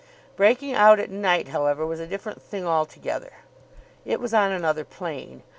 Breaking out at night, however, was a different thing altogether. It was on another plane.